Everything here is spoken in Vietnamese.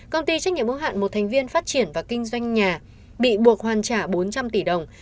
công ty trách nhiệm hữu hạn một thành viên phát triển và kinh doanh nhà bị buộc hoàn trả bốn trăm linh tỷ đồng